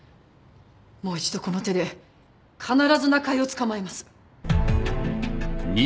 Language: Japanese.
もう一度この手で必ず中井を捕まえます